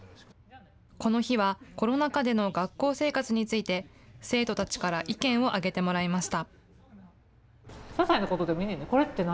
この日は、コロナ禍での学校生活について、生徒たちから意見を挙げてもらいました。